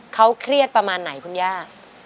เขาเครียดประมาณไหนคุณย่า